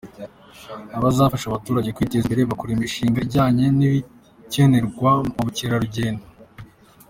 Azanafasha abaturage kwiteza imbere bakora imishinga ijyanye n’ibikenerwa mu bukerarugendo.